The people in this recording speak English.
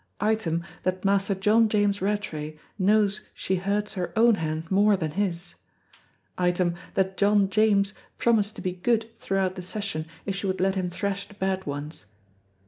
Item, that Master John James Rattray knows she hurts her own hand more than his. Item, that John James promised to be good throughout the session if she would let him thrash the bad ones.